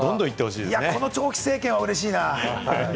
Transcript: この長期政権はうれしいな。